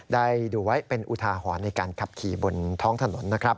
ได้ดูไว้เป็นอุทาหรณ์ในการขับขี่บนท้องถนนนะครับ